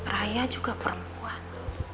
raya juga perempuan